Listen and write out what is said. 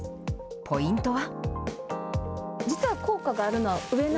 ポイントは。